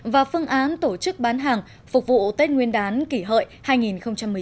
và phương án tổ chức bán hàng phục vụ tết nguyên đán kỷ hợi hai nghìn một mươi chín